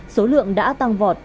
số lượng đã tăng vọt